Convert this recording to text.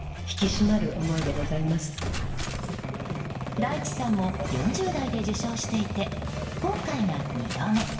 大地さんも４０代で受賞していて今回が２度目。